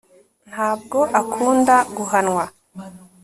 ntabwo akunda guhanwa